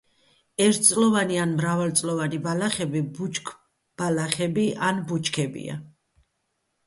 ერთწლოვანი ან მრავალწლოვანი ბალახები, ბუჩქბალახები ან ბუჩქებია.